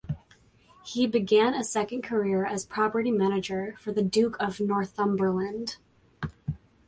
He began a second career as property manager for the Duke of Northumberland.